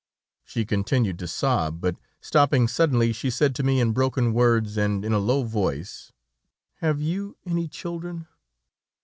"She continued to sob, but stopping suddenly she said to me in broken words, and in a low voice: "'Have you any children?'